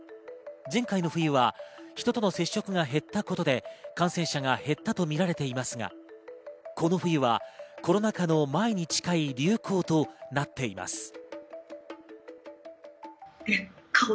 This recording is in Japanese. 前回の冬は人との接触が減ったことで感染者が減ったとみられていますが、この冬はコロナ禍の前に近い流行となっています。